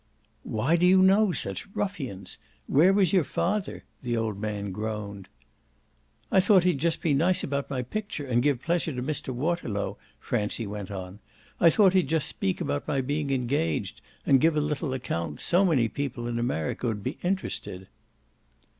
"Why do you know such ruffians? Where was your father?" the old man groaned. "I thought he'd just be nice about my picture and give pleasure to Mr. Waterlow," Francie went on. "I thought he'd just speak about my being engaged and give a little account; so many people in America would be interested."